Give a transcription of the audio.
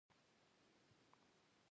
د غوښې ښه پخول د حفظ الصحې اصول دي.